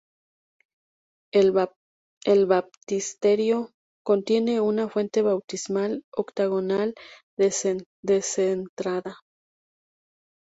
El baptisterio contiene una fuente bautismal octagonal descentrada.